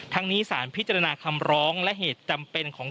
นี้สารพิจารณาคำร้องและเหตุจำเป็นของ